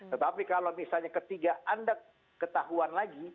tetapi kalau misalnya ketiga anda ketahuan lagi